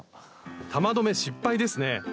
玉留め失敗ですね。